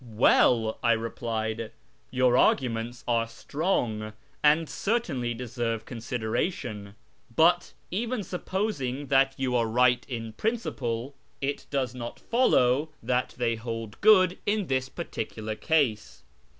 " Well," I replied, " your arguments are strong, and ertainly deserve consideration. But, even supposing that ou are right in principle, it does not follow that they hold ^ Mount Carmel. A YEAR AMONGST THE PERSIANS good in this particular case.